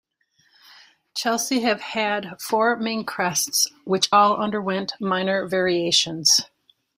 Chelsea have had four main crests, which all underwent minor variations.